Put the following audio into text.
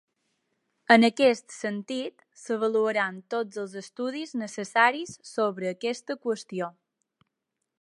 En aquest sentit, s’avaluaran tots els estudis necessaris sobre aquesta qüestió.